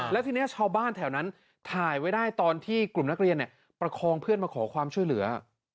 แล้วทีนี้ชาวบ้านแถวนั้นถ่ายไว้ได้ตอนที่กลุ่มนักเรียนประคองเพื่อนมาขอความช่วยเหลือ